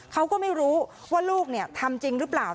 เขาก็ไม่รู้ว่าลูกทำจริงหรือเปล่า